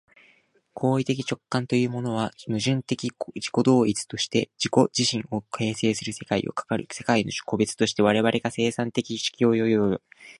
行為的直観というのは、矛盾的自己同一として自己自身を形成する世界を、かかる世界の個物として我々が生産様式的に把握することである。